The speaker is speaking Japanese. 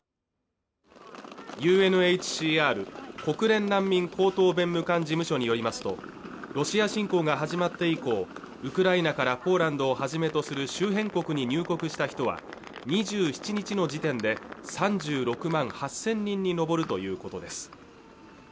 国連難民高等弁務官事務所によりますとロシア侵攻が始まって以降ウクライナからポーランドをはじめとする周辺国に入国した人は２７日の時点で３６万８０００人に上るということです